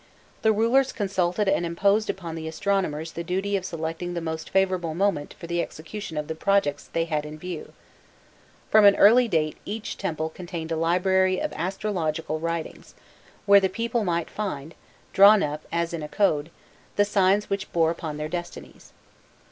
The rulers consulted and imposed upon the astronomers the duty of selecting the most favourable moment for the execution of the projects they had in view. From an early date each temple contained a library of astrological writings, where the people might find, drawn up as in a. code, the signs which bore upon their destinies.